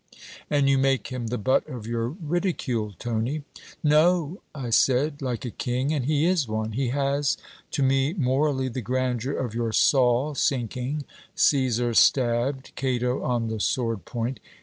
'And you make him the butt of your ridicule, Tony.' 'No; I said "like a king"; and he is one. He has, to me, morally the grandeur of your Sol sinking, Caesar stabbed, Cato on the sword point.